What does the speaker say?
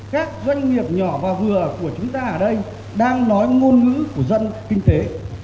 các doanh nghiệp nhỏ và vừa của chúng ta ở đây đang nói ngôn ngữ của dân kinh tế